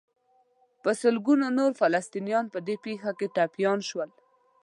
په سلګونو نور فلسطینیان په دې پېښه کې ټپیان شول.